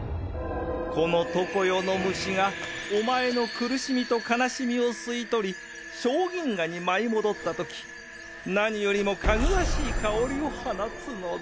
この常世の虫がおまえの苦しみと悲しみを吸い取り「小銀河」に舞い戻ったとき何よりも芳しい香りを放つのだ。